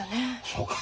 そうか。